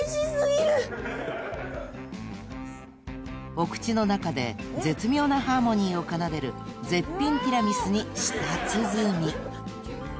［お口の中で絶妙なハーモニーを奏でる絶品ティラミスに舌鼓］